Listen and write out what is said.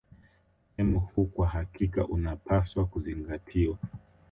Msemo huu kwa hakika unapaswa kuzingatiwa